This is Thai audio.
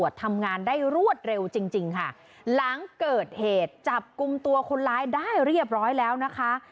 จริงค่ะหลังเกิดเหตุจับกุมตัวคนร้ายได้เรียบร้อยแล้วนะคะ